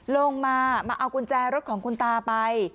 ลงมามาเอากุญแจรถของคุณตาไป